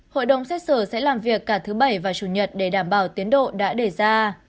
hội đồng xét xử sẽ làm việc cả thứ bảy và chủ nhật để đảm bảo tiến độ đã đề ra